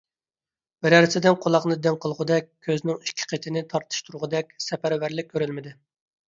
بىرەسىدىن قۇلاقنى دىڭ قىلغۇدەك، كۆزنىڭ ئىككى قېتىنى تارتىشتۇرغىدەك سەپەرۋەرلىك كۆرۈلمىدى.